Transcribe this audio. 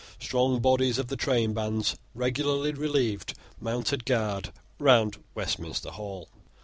Strong bodies of the trainbands, regularly relieved, mounted guard round Westminster Hall.